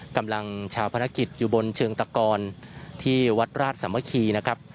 กำลังชาวพนักกิจอยู่บนเชิงตะกรที่วัดราชสามัคคีนะครับ